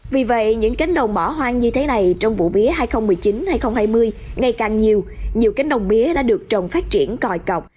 vì vậy những cánh đồng bỏ hoang như thế này trong vụ mía hai nghìn một mươi chín hai nghìn hai mươi ngày càng nhiều nhiều cánh đồng mía đã được trồng phát triển còi cọc